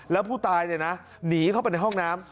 แล้วผู้ตายหนีเข้าไปในห้องน้ำ